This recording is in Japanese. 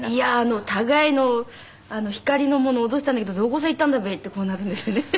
「高いの光りのもの落としたんだけどどこさ行ったんだべ」ってこうなるんですね。